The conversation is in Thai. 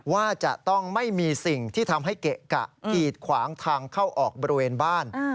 ว่าจะต้องไม่มีสิ่งที่ทำให้เกะกะกีดขวางทางเข้าออกบริเวณบ้าน